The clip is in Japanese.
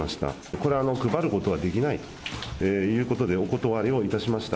これ、配ることはできないということで、お断りをいたしました。